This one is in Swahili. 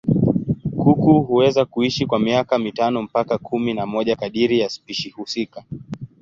Kuku huweza kuishi kwa miaka mitano mpaka kumi na moja kadiri ya spishi husika.